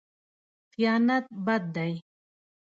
خیانت بد دی.